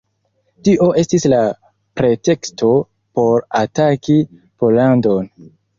Tio estis la preteksto por ataki Pollandon.